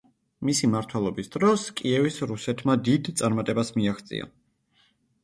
მისი მმართველობის დროს კიევის რუსეთმა დიდ წარმატებას მიაღწია.